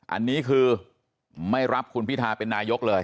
อันนี้คือไม่รับคุณพิทาเป็นนายกเลย